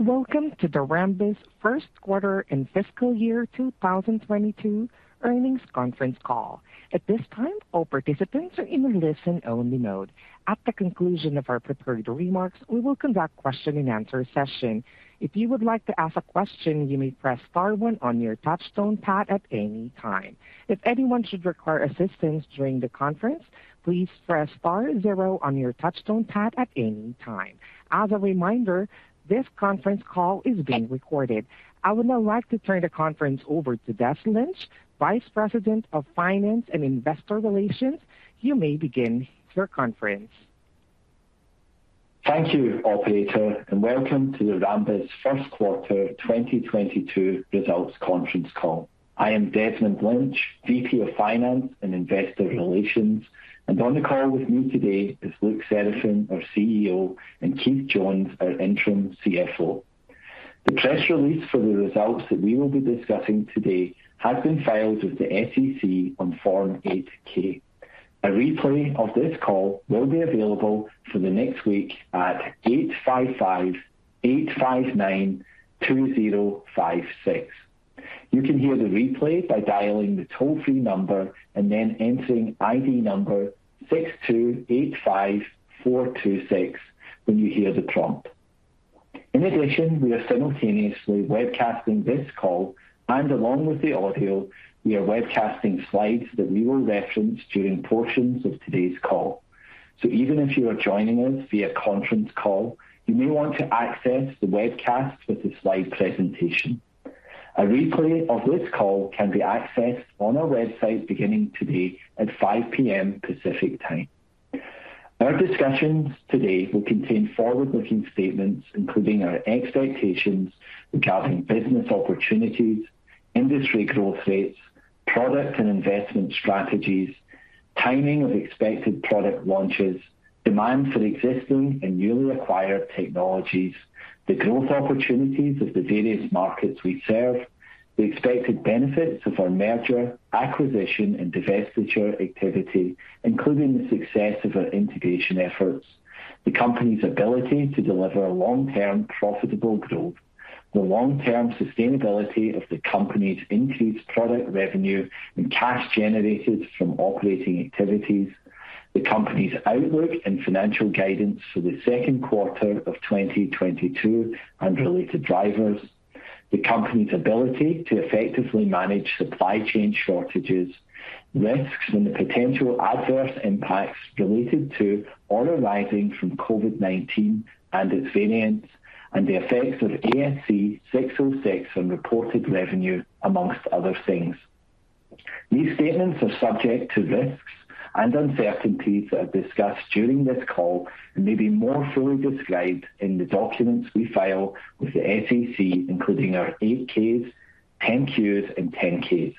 Welcome to the Rambus First Quarter and Fiscal Year 2022 Earnings Conference Call. At this time, all participants are in a listen-only mode. At the conclusion of our prepared remarks, we will conduct question and answer session. If you would like to ask a question, you may press star one on your touch tone pad at any time. If anyone should require assistance during the conference, please press star zero on your touch tone pad at any time. As a reminder, this conference call is being recorded. I would now like to turn the conference over to Desmond Lynch, Vice President of Finance and Investor Relations. You may begin your conference. Thank you, operator, and welcome to the Rambus First Quarter 2022 Results Conference Call. I am Desmond Lynch, VP of Finance and Investor Relations, and on the call with me today is Luc Seraphin, our CEO, and Keith Jones, our interim CFO. The press release for the results that we will be discussing today has been filed with the SEC on Form 8-K. A replay of this call will be available for the next week at 855-859-2056. You can hear the replay by dialing the toll-free number and then entering ID number 628-5426 when you hear the prompt. In addition, we are simultaneously webcasting this call, and along with the audio, we are webcasting slides that we will reference during portions of today's call. Even if you are joining us via conference call, you may want to access the webcast with the slide presentation. A replay of this call can be accessed on our website beginning today at 5:00 P.M. Pacific Time. Our discussions today will contain forward-looking statements, including our expectations regarding business opportunities, industry growth rates, product and investment strategies, timing of expected product launches, demand for existing and newly acquired technologies, the growth opportunities of the various markets we serve, the expected benefits of our merger, acquisition and divestiture activity, including the success of our integration efforts, the company's ability to deliver long-term profitable growth, the long-term sustainability of the company's increased product revenue and cash generated from operating activities, the company's outlook and financial guidance for the second quarter of 2022 and related drivers, the company's ability to effectively manage supply chain shortages, risks and the potential adverse impacts related to or arising from COVID-19 and its variants, and the effects of ASC 606 on reported revenue, among other things. These statements are subject to risks and uncertainties that are discussed during this call and may be more fully described in the documents we file with the SEC, including our 8-Ks, 10-Qs, and 10-Ks.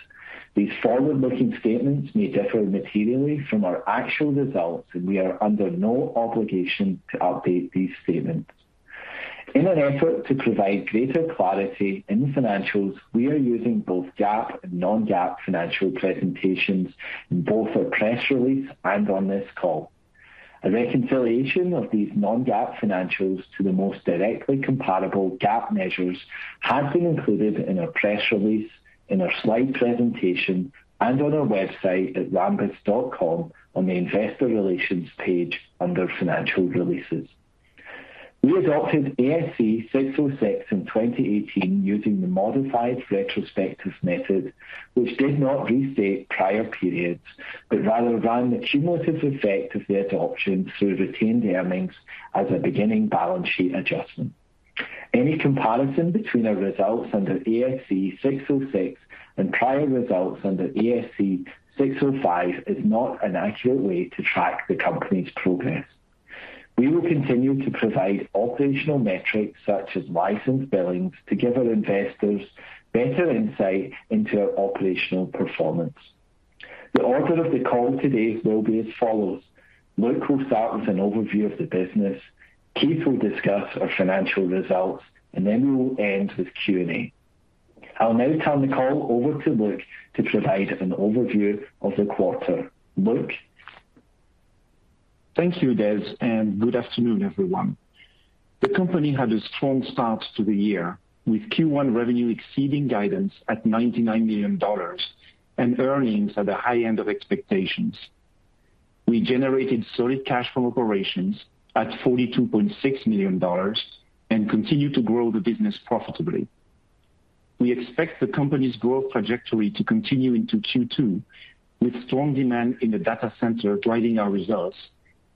These forward-looking statements may differ materially from our actual results, and we are under no obligation to update these statements. In an effort to provide greater clarity in financials, we are using both GAAP and non-GAAP financial presentations in both our press release and on this call. A reconciliation of these non-GAAP financials to the most directly comparable GAAP measures has been included in our press release, in our slide presentation, and on our website at rambus.com on the Investor Relations page under Financial Releases. We adopted ASC 606 in 2018 using the modified retrospective method, which did not restate prior periods, but rather ran the cumulative effect of the adoption through retained earnings as a beginning balance sheet adjustment. Any comparison between our results under ASC 606 and prior results under ASC 605 is not an accurate way to track the company's progress. We will continue to provide operational metrics such as license billings to give our investors better insight into our operational performance. The order of the call today will be as follows. Luc Seraphin will start with an overview of the business. Keith will discuss our financial results, and then we will end with Q&A. I'll now turn the call over to Luc to provide an overview of the quarter. Luc? Thank you, Des, and good afternoon, everyone. The company had a strong start to the year, with Q1 revenue exceeding guidance at $99 million and earnings at the high end of expectations. We generated solid cash from operations at $42.6 million and continue to grow the business profitably. We expect the company's growth trajectory to continue into Q2, with strong demand in the data center driving our results,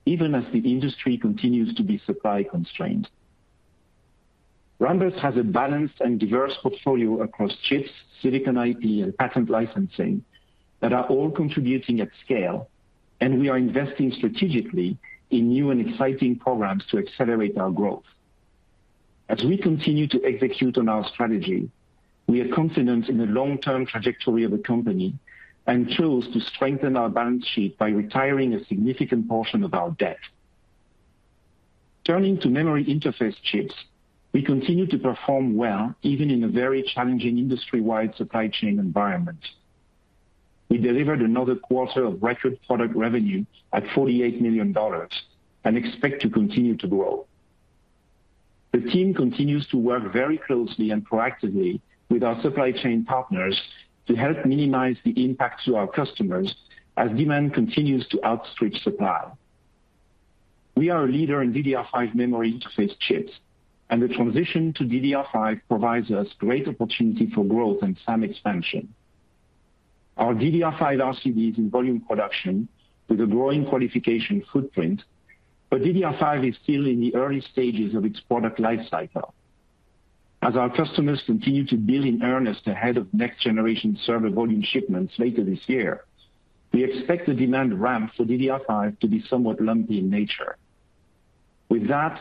even as the industry continues to be supply constrained. Rambus has a balanced and diverse portfolio across chips, silicon IP, and patent licensing that are all contributing at scale, and we are investing strategically in new and exciting programs to accelerate our growth. As we continue to execute on our strategy, we are confident in the long-term trajectory of the company and chose to strengthen our balance sheet by retiring a significant portion of our debt. Turning to memory interface chips, we continue to perform well, even in a very challenging industry-wide supply chain environment. We delivered another quarter of record product revenue at $48 million and expect to continue to grow. The team continues to work very closely and proactively with our supply chain partners to help minimize the impact to our customers as demand continues to outstrip supply. We are a leader in DDR5 memory interface chips, and the transition to DDR5 provides us great opportunity for growth and SAM expansion. Our DDR5 RCD is in volume production with a growing qualification footprint, but DDR5 is still in the early stages of its product life cycle. As our customers continue to build in earnest ahead of next generation server volume shipments later this year, we expect the demand ramp for DDR5 to be somewhat lumpy in nature. With that,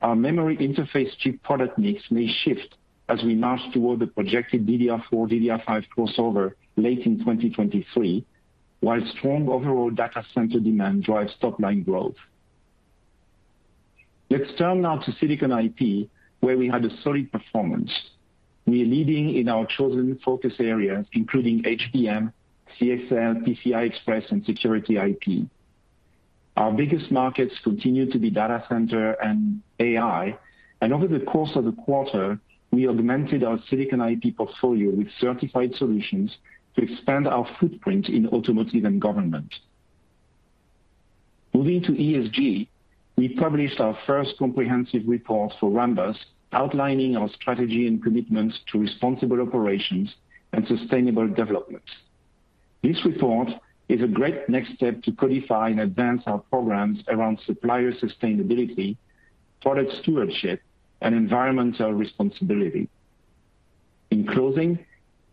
our memory interface chip product mix may shift as we march toward the projected DDR4/DDR5 crossover late in 2023, while strong overall data center demand drives top line growth. Let's turn now to silicon IP, where we had a solid performance. We are leading in our chosen focus areas, including HBM, CXL, PCI Express and security IP. Our biggest markets continue to be data center and AI, and over the course of the quarter, we augmented our silicon IP portfolio with certified solutions to expand our footprint in automotive and government. Moving to ESG, we published our first comprehensive report for Rambus outlining our strategy and commitments to responsible operations and sustainable development. This report is a great next step to codify and advance our programs around supplier sustainability, product stewardship and environmental responsibility. In closing,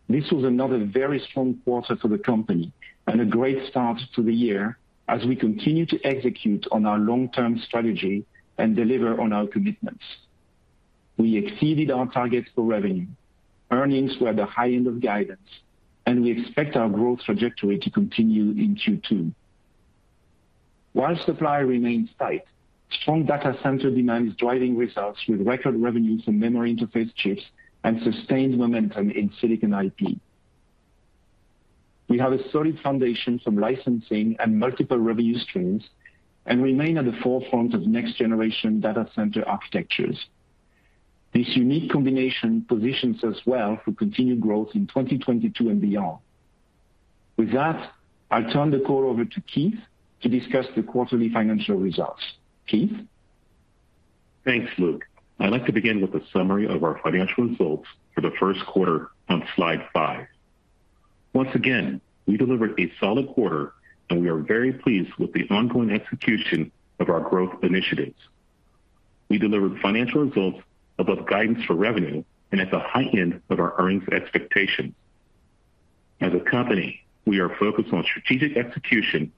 this was another very strong quarter for the company and a great start to the year as we continue to execute on our long-term strategy and deliver on our commitments. We exceeded our targets for revenue. Earnings were at the high end of guidance, and we expect our growth trajectory to continue in Q2. While supply remains tight, strong data center demand is driving results with record revenues in memory interface chips and sustained momentum in silicon IP. We have a solid foundation from licensing and multiple revenue streams and remain at the forefront of next generation data center architectures. This unique combination positions us well for continued growth in 2022 and beyond. With that, I'll turn the call over to Keith to discuss the quarterly financial results. Keith? Thanks, Luc. I'd like to begin with a summary of our financial results for the first quarter on slide five. Once again, we delivered a solid quarter and we are very pleased with the ongoing execution of our growth initiatives. We delivered financial results above guidance for revenue and at the high end of our earnings expectations. As a company, we are focused on strategic execution,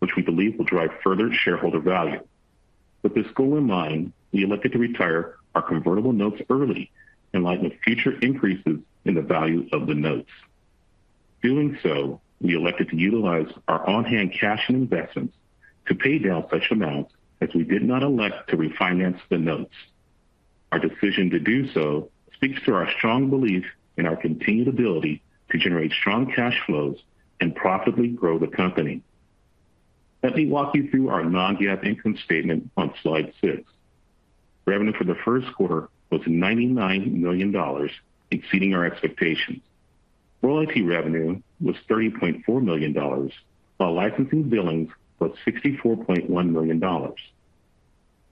which we believe will drive further shareholder value. With this goal in mind, we elected to retire our convertible notes early in light of future increases in the value of the notes. Doing so, we elected to utilize our on-hand cash and investments to pay down such amounts as we did not elect to refinance the notes. Our decision to do so speaks to our strong belief in our continued ability to generate strong cash flows and profitably grow the company. Let me walk you through our non-GAAP income statement on slide six. Revenue for the first quarter was $99 million, exceeding our expectations. Royalty revenue was $30.4 million, while licensing billings was $64.1 million.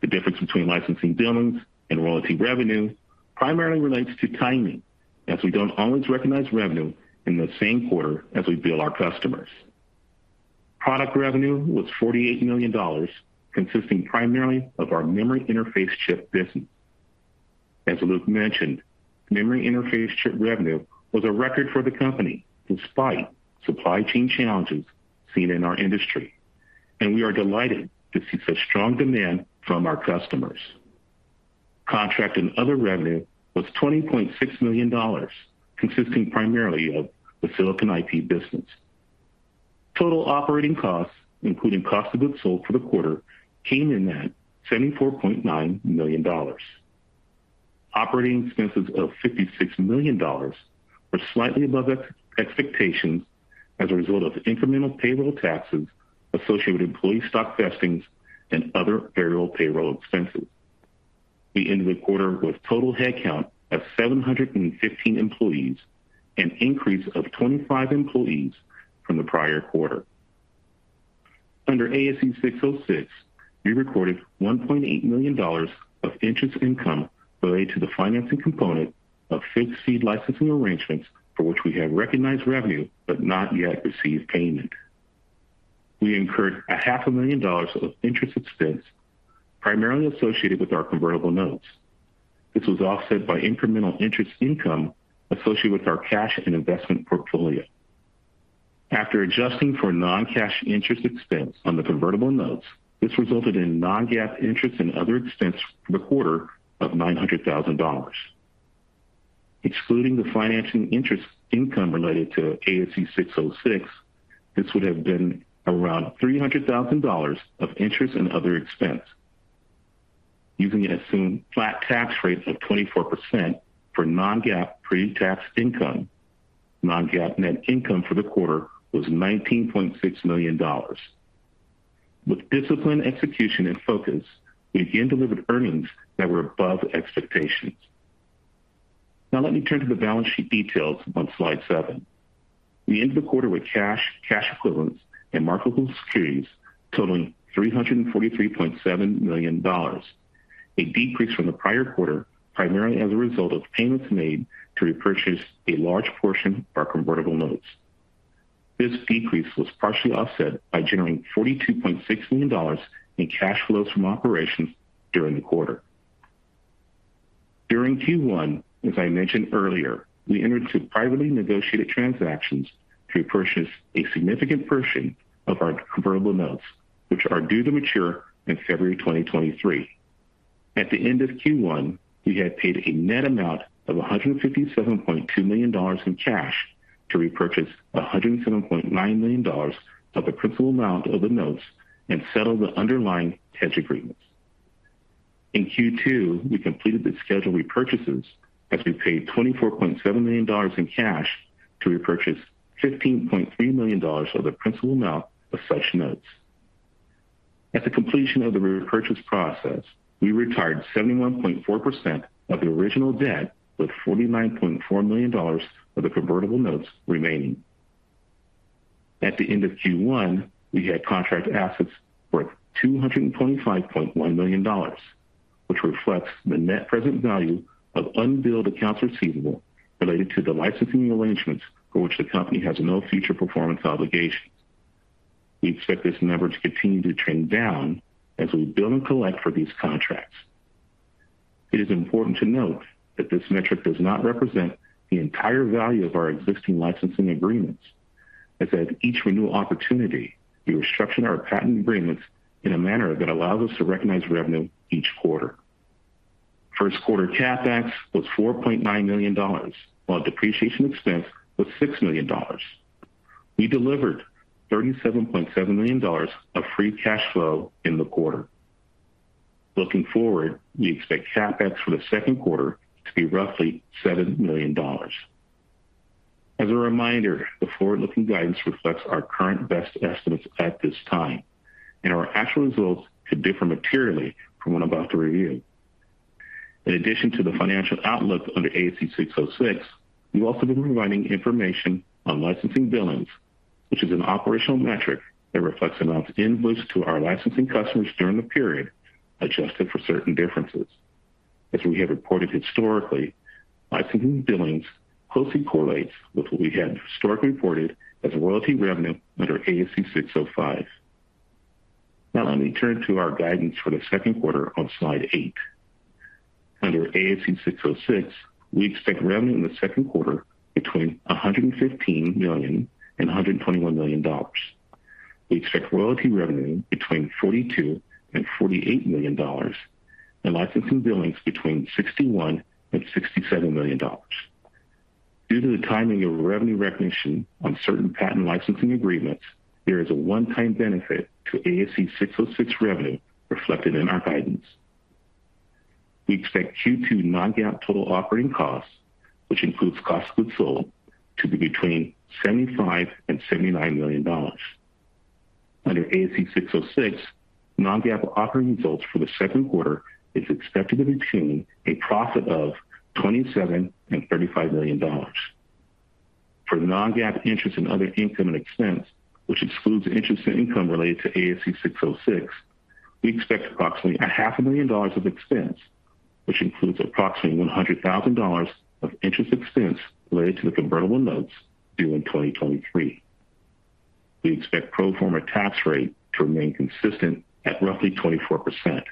The difference between licensing billings and royalty revenue primarily relates to timing, as we don't always recognize revenue in the same quarter as we bill our customers. Product revenue was $48 million, consisting primarily of our memory interface chip business. As Luc mentioned, memory interface chip revenue was a record for the company despite supply chain challenges seen in our industry, and we are delighted to see such strong demand from our customers. Contract and other revenue was $20.6 million, consisting primarily of the silicon IP business. Total operating costs, including cost of goods sold for the quarter, came in at $74.9 million. Operating expenses of $56 million were slightly above expectations as a result of incremental payroll taxes associated with employee stock vestings and other payroll expenses. We ended the quarter with total headcount of 715 employees, an increase of 25 employees from the prior quarter. Under ASC 606, we recorded $1.8 million of interest income related to the financing component of fixed fee licensing arrangements for which we have recognized revenue but not yet received payment. We incurred $500,000 of interest expense primarily associated with our convertible notes. This was offset by incremental interest income associated with our cash and investment portfolio. After adjusting for non-cash interest expense on the convertible notes, this resulted in non-GAAP interest and other expense for the quarter of $900,000. Excluding the financing interest income related to ASC 606, this would have been around $300,000 of interest and other expense. Using an assumed flat tax rate of 24% for non-GAAP pre-tax income, non-GAAP net income for the quarter was $19.6 million. With disciplined execution and focus, we again delivered earnings that were above expectations. Now let me turn to the balance sheet details on slide seven. We ended the quarter with cash equivalents, and marketable securities totaling $343.7 million. A decrease from the prior quarter, primarily as a result of payments made to repurchase a large portion of our convertible notes. This decrease was partially offset by generating $42.6 million in cash flows from operations during the quarter. During Q1, as I mentioned earlier, we entered into privately negotiated transactions to purchase a significant portion of our convertible notes, which are due to mature in February 2023. At the end of Q1, we had paid a net amount of $157.2 million in cash to repurchase $107.9 million of the principal amount of the notes and settle the underlying hedge agreements. In Q2, we completed the scheduled repurchases as we paid $24.7 million in cash to repurchase $15.3 million of the principal amount of such notes. At the completion of the repurchase process, we retired 71.4% of the original debt, with $49.4 million of the convertible notes remaining. At the end of Q1, we had contract assets worth $225.1 million, which reflects the net present value of unbilled accounts receivable related to the licensing arrangements for which the company has no future performance obligations. We expect this number to continue to trend down as we bill and collect for these contracts. It is important to note that this metric does not represent the entire value of our existing licensing agreements, as at each renewal opportunity, we restructure our patent agreements in a manner that allows us to recognize revenue each quarter. First quarter CapEx was $4.9 million, while depreciation expense was $6 million. We delivered $37.7 million of free cash flow in the quarter. Looking forward, we expect CapEx for the second quarter to be roughly $7 million. As a reminder, the forward-looking guidance reflects our current best estimates at this time, and our actual results could differ materially from what I'm about to review. In addition to the financial outlook under ASC 606, we've also been providing information on licensing billings, which is an operational metric that reflects amounts invoiced to our licensing customers during the period, adjusted for certain differences. As we have reported historically, licensing billings closely correlates with what we have historically reported as royalty revenue under ASC 605. Now let me turn to our guidance for the second quarter on slide eight. Under ASC 606, we expect revenue in the second quarter between $115 million and $121 million. We expect royalty revenue between $42 million and $48 million and licensing billings between $61 million and $67 million. Due to the timing of revenue recognition on certain patent licensing agreements, there is a one-time benefit to ASC 606 revenue reflected in our guidance. We expect Q2 non-GAAP total operating costs, which includes cost of goods sold, to be between $75 million and $79 million. Under ASC 606, non-GAAP operating results for the second quarter is expected to retain a profit of $27 million and $35 million. For non-GAAP interest and other income and expense, which excludes interest and income related to ASC 606, we expect approximately $500,000 of expense, which includes approximately $100,000 of interest expense related to the convertible notes due in 2023. We expect pro forma tax rate to remain consistent at roughly 24%.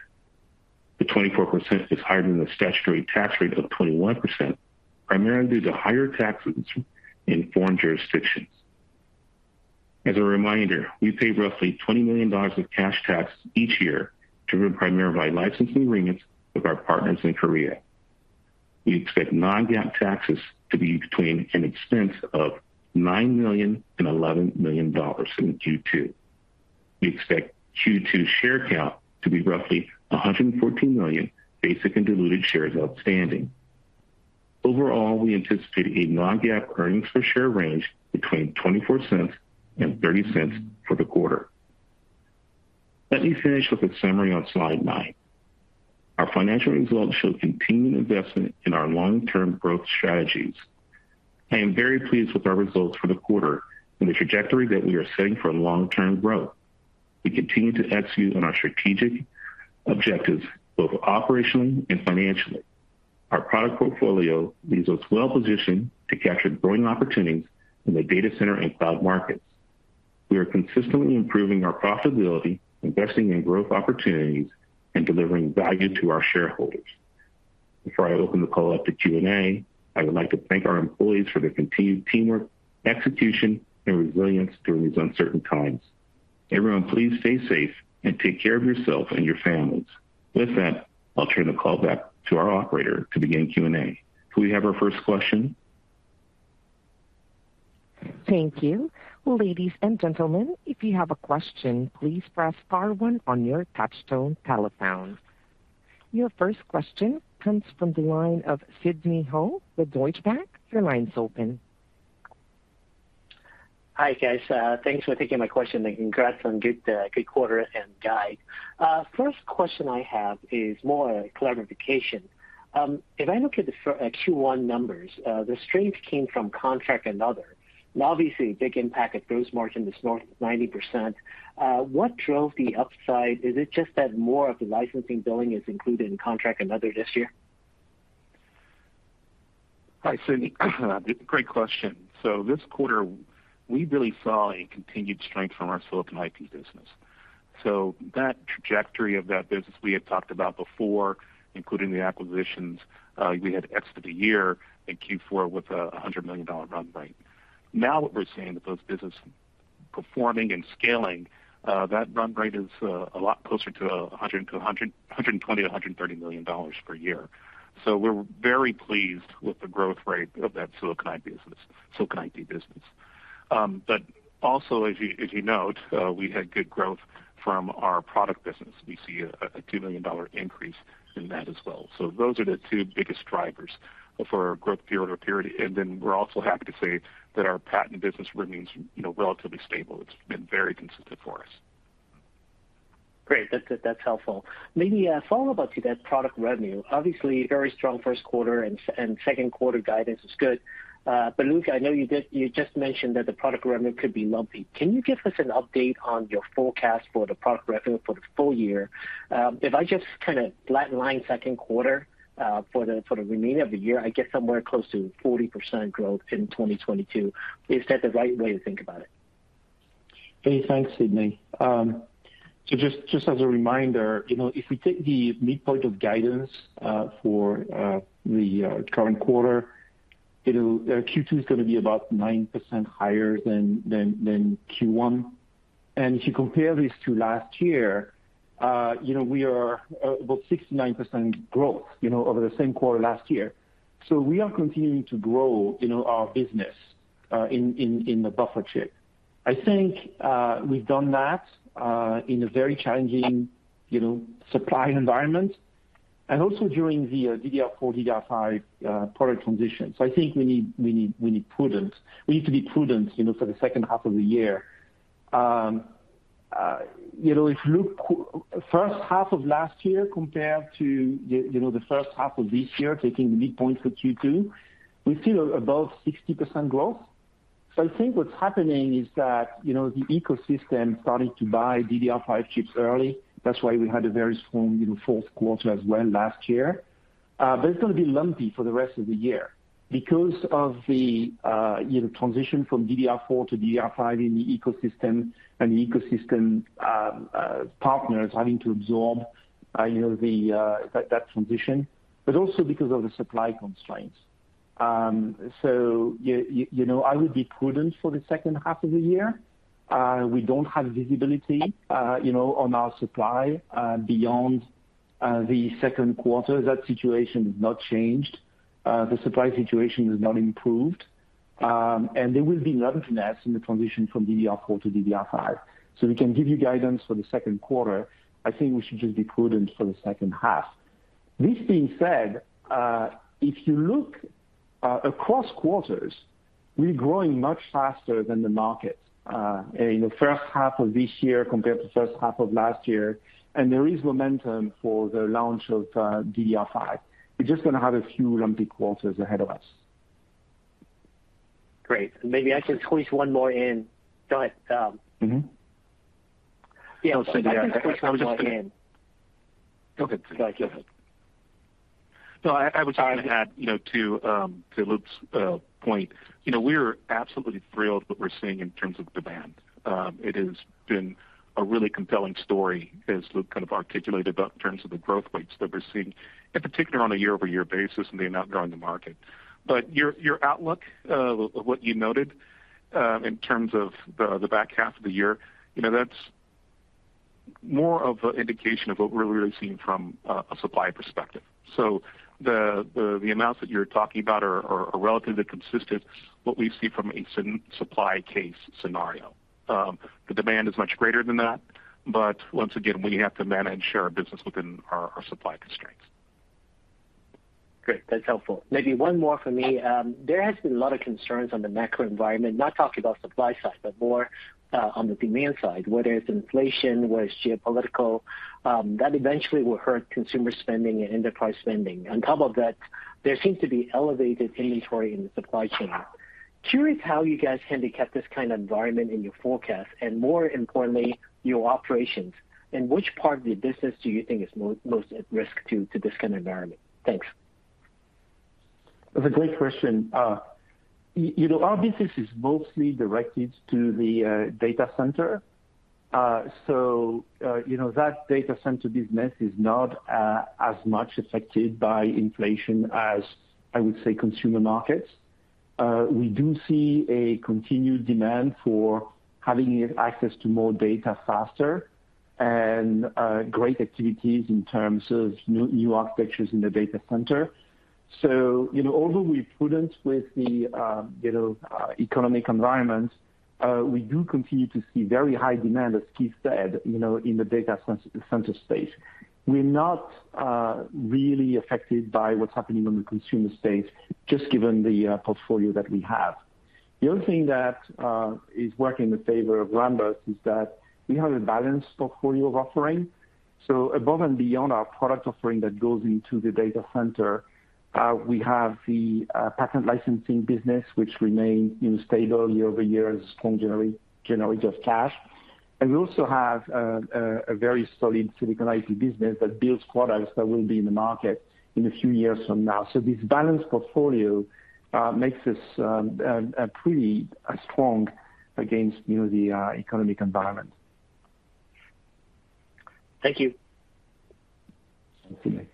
The 24% is higher than the statutory tax rate of 21%, primarily due to higher taxes in foreign jurisdictions. As a reminder, we pay roughly $20 million of cash taxes each year, driven primarily by licensing agreements with our partners in Korea. We expect non-GAAP taxes to be between an expense of $9 million and $11 million in Q2. We expect Q2 share count to be roughly 114 million basic and diluted shares outstanding. Overall, we anticipate a non-GAAP earnings per share range between $0.24 and $0.30 for the quarter. Let me finish with a summary on slide nine. Our financial results show continued investment in our long-term growth strategies. I am very pleased with our results for the quarter and the trajectory that we are setting for long-term growth. We continue to execute on our strategic objectives, both operationally and financially. Our product portfolio leaves us well positioned to capture growing opportunities in the data center and cloud markets. We are consistently improving our profitability, investing in growth opportunities, and delivering value to our shareholders. Before I open the call up to Q&A, I would like to thank our employees for their continued teamwork, execution, and resilience during these uncertain times. Everyone, please stay safe and take care of yourself and your families. With that, I'll turn the call back to our operator to begin Q&A. Can we have our first question? Thank you. Ladies and gentlemen, if you have a question, please press star one on your touchtone telephone. Your first question comes from the line of Sidney Ho with Deutsche Bank. Your line's open. Hi, guys. Thanks for taking my question and congrats on good quarter and guide. First question I have is more clarification. If I look at the Q1 numbers, the strength came from contract and other. Now, obviously, big impact at gross margin, this north of 90%. What drove the upside? Is it just that more of the licensing billing is included in contract and other this year? Hi, Sidney. Great question. This quarter, we really saw a continued strength from our silicon IP business. That trajectory of that business we had talked about before, including the acquisitions, we had exited the year in Q4 with a $100 million run rate. Now, what we're seeing with those business performing and scaling, that run rate is a lot closer to $120 million-$130 million per year. We're very pleased with the growth rate of that silicon IP business. But also as you note, we had good growth from our product business. We see a $2 million increase in that as well. Those are the two biggest drivers for our growth year-over-year. We're also happy to say that our patent business remains, you know, relatively stable. It's been very consistent for us. Great. That's helpful. Maybe a follow-up to that product revenue, obviously very strong first quarter and second quarter guidance is good. Luc, I know you just mentioned that the product revenue could be lumpy. Can you give us an update on your forecast for the product revenue for the full year? If I just kinda flatline second quarter for the remainder of the year, I get somewhere close to 40% growth in 2022. Is that the right way to think about it? Hey, thanks, Sidney. Just as a reminder, you know, if we take the midpoint of guidance for the current quarter, Q2 is gonna be about 9% higher than Q1. If you compare this to last year, you know, we are about 69% growth, you know, over the same quarter last year. We are continuing to grow, you know, our business in the buffer chip. I think we've done that in a very challenging, you know, supply environment and also during the DDR4, DDR5 product transition. I think we need to be prudent, you know, for the second half of the year. You know, if you look first half of last year compared to the, you know, the first half of this year, taking the midpoint for Q2, we're still above 60% growth. I think what's happening is that, you know, the ecosystem started to buy DDR5 chips early. That's why we had a very strong, you know, fourth quarter as well last year. But it's gonna be lumpy for the rest of the year because of the, you know, transition from DDR4 to DDR5 in the ecosystem and the ecosystem partners having to absorb, you know, that transition, but also because of the supply constraints. You know, I would be prudent for the second half of the year. We don't have visibility, you know, on our supply beyond the second quarter. That situation has not changed. The supply situation has not improved. There will be lumpiness in the transition from DDR4 to DDR5. We can give you guidance for the second quarter. I think we should just be prudent for the second half. This being said, if you look across quarters, we're growing much faster than the market in the first half of this year compared to first half of last year, and there is momentum for the launch of DDR5. We're just gonna have a few lumpy quarters ahead of us. Great. Maybe I can squeeze one more in. Go ahead, Jones. Mm-hmm. Yeah. I think I can squeeze one more in. Okay. Go ahead. No, I would just add, you know, to Luc's point, you know, we're absolutely thrilled with what we're seeing in terms of demand. It has been a really compelling story as Luc kind of articulated in terms of the growth rates that we're seeing, in particular on a year-over-year basis and the outgrowing the market. Your outlook, what you noted, in terms of the back half of the year, you know, that's more of an indication of what we're really seeing from a supply perspective. The amounts that you're talking about are relatively consistent with what we see from a supply case scenario. The demand is much greater than that, but once again, we have to manage our business within our supply constraints. Great. That's helpful. Maybe one more for me. There has been a lot of concerns on the macro environment, not talking about supply side, but more, on the demand side, whether it's inflation, whether it's geopolitical, that eventually will hurt consumer spending and enterprise spending. On top of that, there seems to be elevated inventory in the supply chain. Curious how you guys handicap this kind of environment in your forecast and more importantly, your operations, and which part of the business do you think is most at risk to this kind of environment? Thanks. That's a great question. You know, our business is mostly directed to the data center. You know, that data center business is not as much affected by inflation as, I would say, consumer markets. We do see a continued demand for having access to more data faster and great activities in terms of new architectures in the data center. You know, although we're prudent with the economic environment, we do continue to see very high demand, as Keith said, you know, in the data center space. We're not really affected by what's happening on the consumer space, just given the portfolio that we have. The other thing that is working in favor of Rambus is that we have a balanced portfolio of offering. Above and beyond our product offering that goes into the data center, we have the patent licensing business, which remain, you know, stable year-over-year as a strong generator of cash. We also have a very solid silicon IP business that builds products that will be in the market in a few years from now. This balanced portfolio makes us pretty strong against, you know, the economic environment. Thank you. Thank you.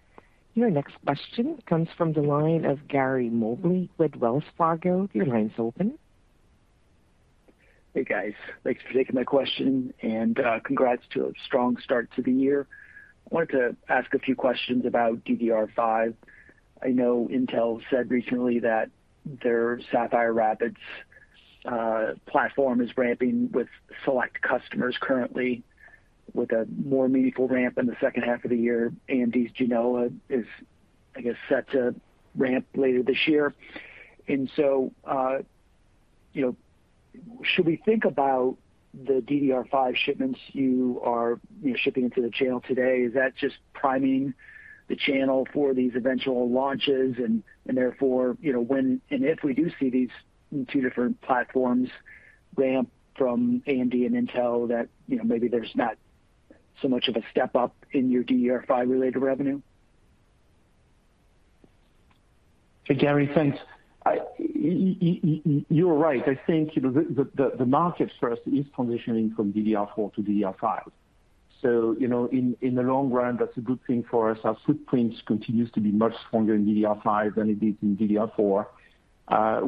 Your next question comes from the line of Gary Mobley with Wells Fargo. Your line's open. Hey, guys. Thanks for taking my question, and congrats to a strong start to the year. Wanted to ask a few questions about DDR5. I know Intel said recently that their Sapphire Rapids platform is ramping with select customers currently with a more meaningful ramp in the second half of the year. AMD's Genoa is, I guess, set to ramp later this year. You know, should we think about the DDR5 shipments you are shipping into the channel today? Is that just priming the channel for these eventual launches? Therefore, you know, when and if we do see these two different platforms ramp from AMD and Intel, you know, maybe there's not so much of a step up in your DDR5 related revenue. Hey, Gary. Thanks. You're right. I think, you know, the market first is transitioning from DDR4 to DDR5. You know, in the long run, that's a good thing for us. Our footprint continues to be much stronger in DDR5 than it is in DDR4.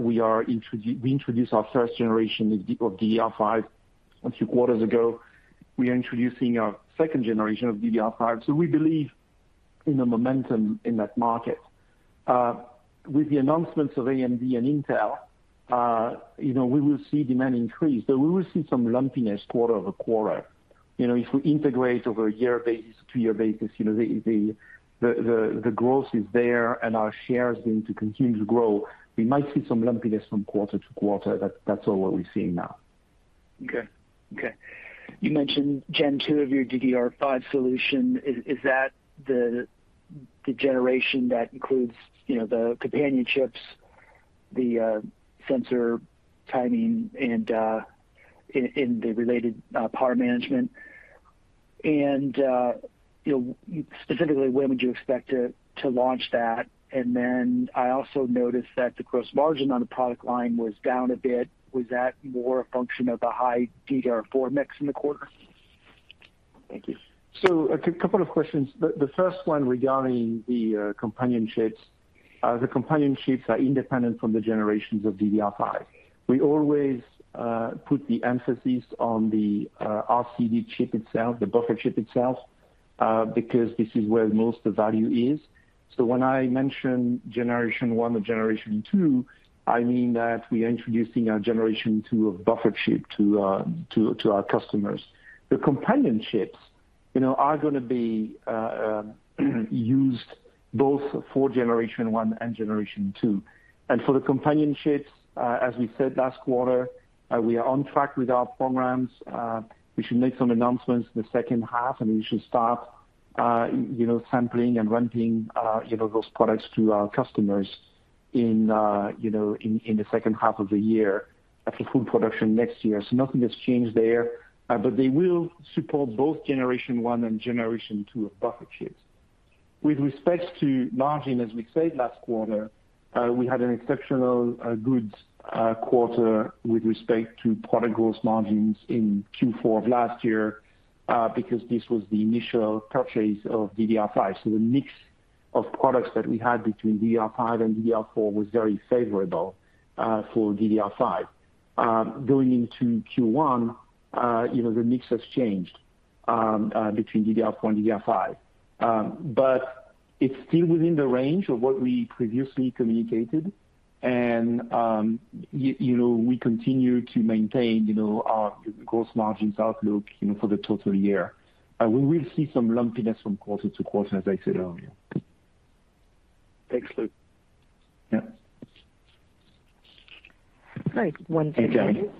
We introduced our first generation of DDR5 a few quarters ago. We are introducing our second generation of DDR5. We believe in the momentum in that market. With the announcements of AMD and Intel, you know, we will see demand increase, but we will see some lumpiness quarter-over-quarter. You know, if we integrate over a year basis, two-year basis, you know, the growth is there and our share is going to continue to grow. We might see some lumpiness from quarter to quarter. That's all what we're seeing now. Okay. You mentioned Gen 2 of your DDR5 solution. Is that the generation that includes, you know, the companion chips, the sensor timing and the related power management? You know, specifically, when would you expect to launch that? I also noticed that the gross margin on the product line was down a bit. Was that more a function of the high DDR4 mix in the quarter? Thank you. A couple of questions. The first one regarding the companion chips. The companion chips are independent from the generations of DDR5. We always put the emphasis on the RCD chip itself, the buffer chip itself, because this is where most of the value is. When I mention generation one or generation two, I mean that we are introducing our generation two of buffer chip to our customers. The companion chips, you know, are gonna be used both for generation one and generation two. For the companion chips, as we said last quarter, we are on track with our programs. We should make some announcements in the second half, and we should start, you know, sampling and ramping, you know, those products to our customers in, you know, in the second half of the year with full production next year. Nothing has changed there, but they will support both generation one and generation two of buffer chips. With respect to margin, as we said last quarter, we had an exceptional, good, quarter with respect to product gross margins in Q4 of last year, because this was the initial purchase of DDR5. The mix of products that we had between DDR5 and DDR4 was very favorable, for DDR5. Going into Q1, you know, the mix has changed, between DDR4 and DDR5. But it's still within the range of what we previously communicated. You know, we continue to maintain, you know, our gross margins outlook, you know, for the total year. We will see some lumpiness from quarter to quarter, as I said earlier. Thanks, Luc. Yeah. All right. One second. Hey, Gary.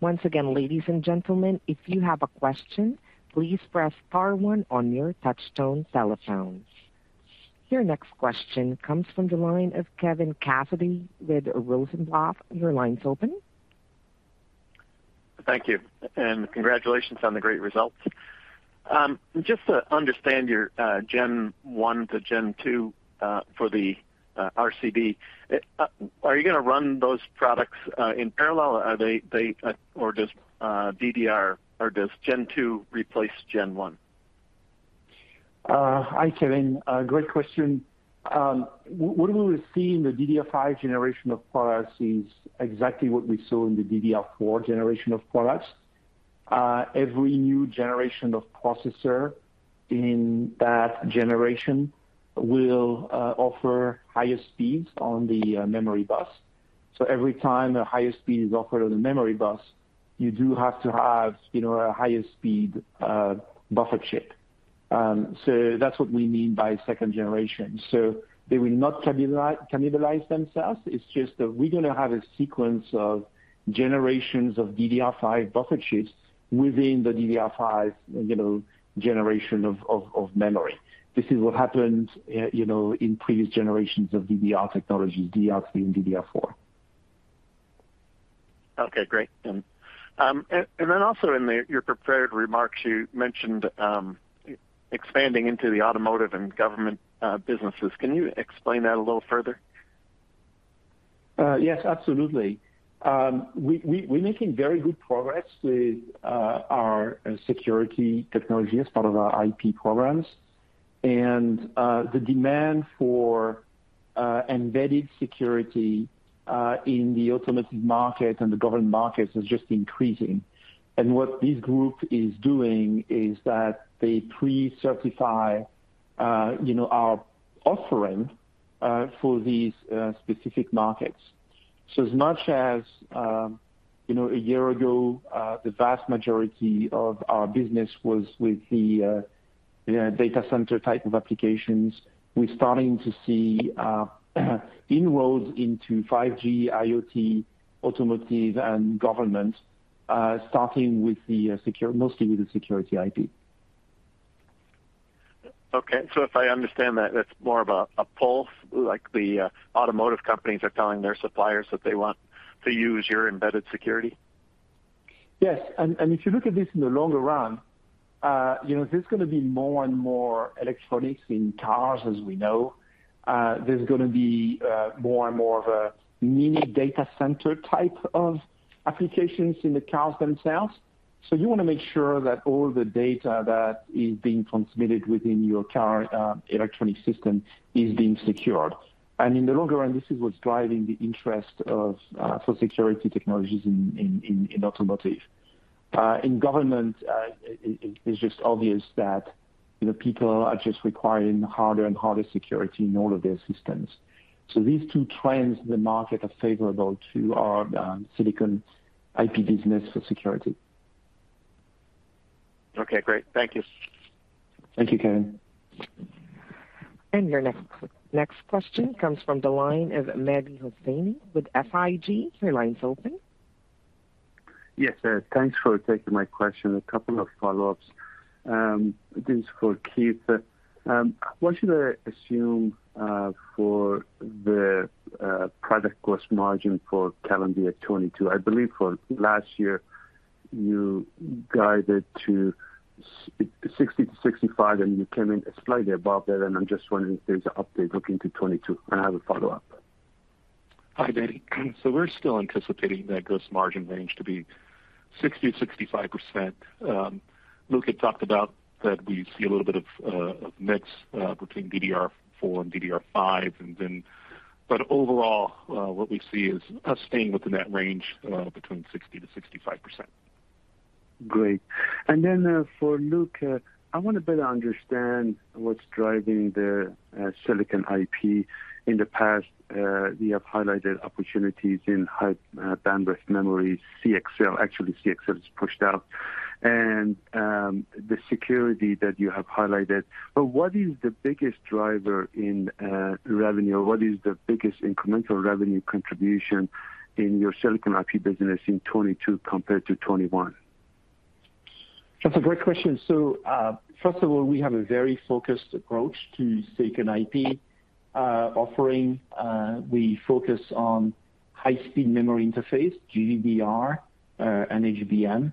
Once again, ladies and gentlemen, if you have a question, please press star one on your touch tone telephones. Your next question comes from the line of Kevin Cassidy with Rosenblatt. Your line's open. Thank you, and congratulations on the great results. Just to understand your Gen 1 to Gen 2 for the RCD, are you gonna run those products in parallel? Are they or does Gen 2 replace Gen 1? Hi, Kevin, a great question. What we will see in the DDR5 generation of products is exactly what we saw in the DDR4 generation of products. Every new generation of processor in that generation will offer higher speeds on the memory bus. Every time a higher speed is offered on the memory bus, you do have to have, you know, a higher speed buffer chip. That's what we mean by second generation. They will not cannibalize themselves. It's just that we're gonna have a sequence of generations of DDR5 buffer chips within the DDR5, you know, generation of memory. This is what happened, you know, in previous generations of DDR technology, DDR3 and DDR4. Okay, great. Also in your prepared remarks, you mentioned expanding into the automotive and government businesses. Can you explain that a little further? Yes, absolutely. We're making very good progress with our security technology as part of our IP programs. The demand for embedded security in the automotive market and the government markets is just increasing. What this group is doing is that they pre-certify you know our offering for these specific markets. As much as you know a year ago the vast majority of our business was with the you know data center type of applications, we're starting to see inroads into 5G IoT, automotive and government starting mostly with the security IP. If I understand that's more of a pulse, like the automotive companies are telling their suppliers that they want to use your embedded security? Yes. If you look at this in the longer run, you know, there's gonna be more and more electronics in cars, as we know. There's gonna be more and more of a mini data center type of applications in the cars themselves. You wanna make sure that all the data that is being transmitted within your car electronic system is being secured. In the longer run, this is what's driving the interest of for security technologies in automotive. In government, it's just obvious that, you know, people are just requiring harder and harder security in all of their systems. These two trends in the market are favorable to our silicon IP business for security. Okay, great. Thank you. Thank you, Kevin. Your next question comes from the line of Mehdi Hosseini with SIG. Your line's open. Yes, thanks for taking my question. A couple of follow-ups. This is for Keith. What should I assume for the product cost margin for calendar 2022? I believe for last year you guided to 60%-65%, and you came in slightly above that. I'm just wondering if there's an update looking to 2022. I have a follow-up. Hi, Mehdi. We're still anticipating that gross margin range to be 60%-65%. Luc had talked about that we see a little bit of a mix between DDR4 and DDR5. Overall, what we see is us staying within that range between 60%-65%. Great. For Luc, I wanna better understand what's driving the silicon IP. In the past, you have highlighted opportunities in high bandwidth memory, CXL. Actually, CXL is pushed out. The security that you have highlighted. What is the biggest driver in revenue? What is the biggest incremental revenue contribution in your silicon IP business in 2022 compared to 2021? That's a great question. First of all, we have a very focused approach to silicon IP offering. We focus on high speed memory interface, GDDR, and HBM.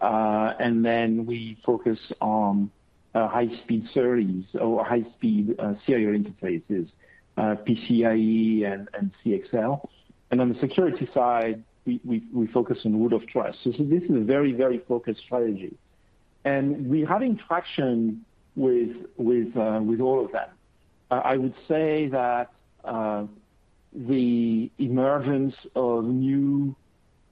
Then we focus on high speed SerDes or high speed serial interfaces, PCIe and CXL. On the security side, we focus on Root of Trust. This is a very, very focused strategy, and we're having traction with all of that. I would say that the emergence of new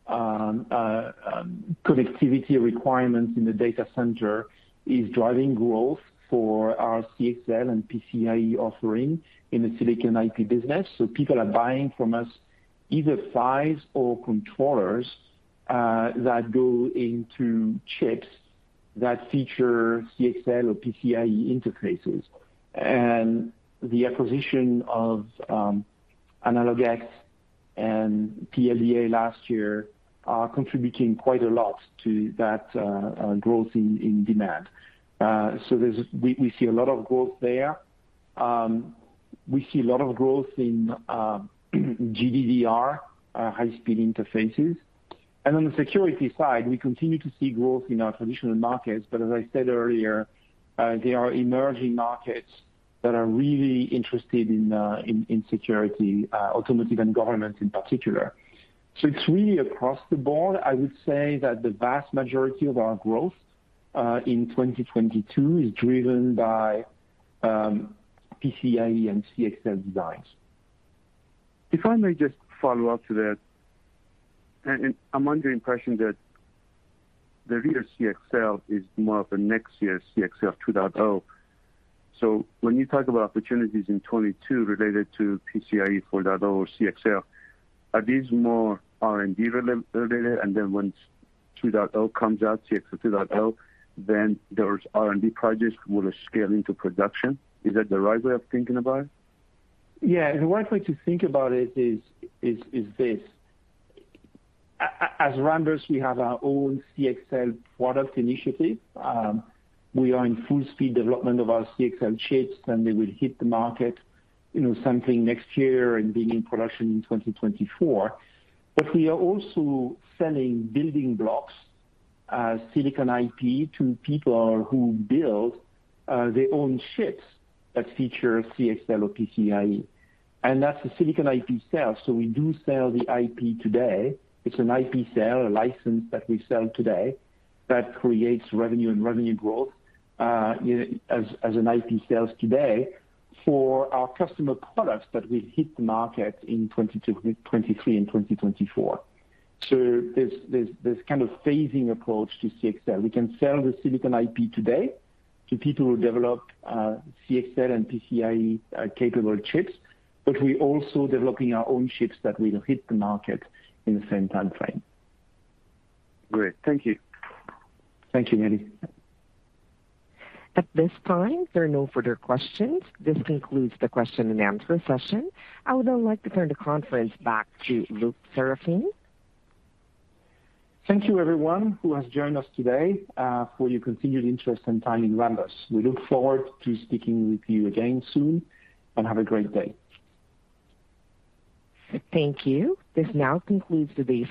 connectivity requirements in the data center is driving growth for our CXL and PCIe offering in the silicon IP business. People are buying from us either files or controllers that go into chips that feature CXL or PCIe interfaces. The acquisition of AnalogX and PLDA last year are contributing quite a lot to that growth in demand. We see a lot of growth there. We see a lot of growth in GDDR high speed interfaces. On the security side, we continue to see growth in our traditional markets. As I said earlier, there are emerging markets that are really interested in security, automotive and government in particular. It's really across the board. I would say that the vast majority of our growth in 2022 is driven by PCIe and CXL designs. If I may just follow up to that. I'm under the impression that the real CXL is more of a next year CXL 2.0. When you talk about opportunities in 2022 related to PCIe 4.0 or CXL, are these more R&D related? Once 2.0 comes out, CXL 2.0, those R&D projects will scale into production. Is that the right way of thinking about it? Yeah. The right way to think about it is this. As Rambus, we have our own CXL product initiative. We are in full speed development of our CXL chips, and they will hit the market, you know, sampling next year and being in production in 2024. We are also selling building blocks, silicon IP, to people who build their own chips that feature CXL or PCIe. That's a silicon IP sale, so we do sell the IP today. It's an IP sale, a license that we sell today that creates revenue and revenue growth, as an IP sales today for our customer products that will hit the market in 2022, 2023 and 2024. There's this kind of phasing approach to CXL. We can sell the silicon IP today to people who develop CXL and PCIe capable chips, but we're also developing our own chips that will hit the market in the same time frame. Great. Thank you. Thank you, Mehdi. At this time, there are no further questions. This concludes the question and answer session. I would now like to turn the conference back to Luc Seraphin. Thank you everyone who has joined us today, for your continued interest and time in Rambus. We look forward to speaking with you again soon and have a great day. Thank you. This now concludes the base.